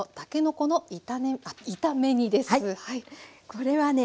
これはね